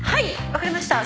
分かりました。